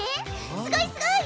すごいすごい！